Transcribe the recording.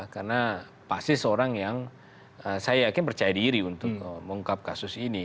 karena pasti seorang yang saya yakin percaya diri untuk mengungkap kasus ini